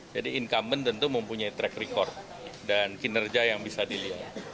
jadi incumbent tentu mempunyai track record dan kinerja yang bisa dilihat